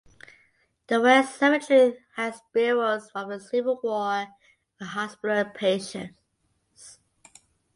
The West cemetery has burials from the Civil War and hospital patients.